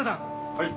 はい。